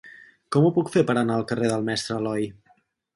Com ho puc fer per anar al carrer del Mestre Aloi?